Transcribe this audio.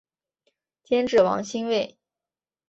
监制王心慰。